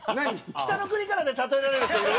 『北の国から』で例えられる人いる？